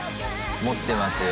持ってますよ